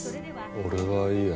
俺はいいや。